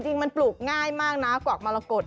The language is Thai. จริงมันปลูกง่ายมากนะกวักมรกฏ